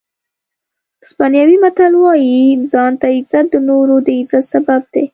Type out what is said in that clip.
اسپانوي متل وایي ځان ته عزت د نورو د عزت سبب دی.